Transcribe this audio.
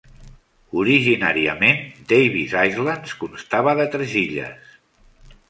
Originàriament, Davis Islands constava de tres illes.